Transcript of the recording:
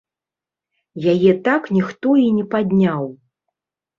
Яе так ніхто і не падняў.